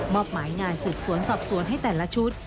อบหมายงานสืบสวนสอบสวนให้แต่ละชุด